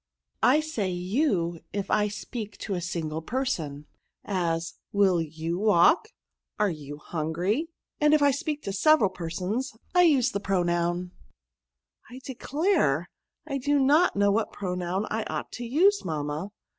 '*'* I say you if I speak to a single person ; as, will pou walk ? are you hungry ? and if I speak to several persons, I use the pro* noun ■ I declare I do not know what pronoim I ought to use, mamma